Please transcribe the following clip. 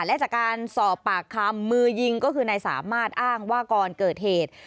และจากการสอบปากคำมือยิงก็คือนายสามารถอ้างว่าก่อนเกิดเหตุ